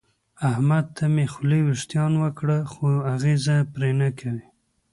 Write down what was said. احمد ته مې خولې وېښتان وکړل خو اغېزه پرې نه کوي.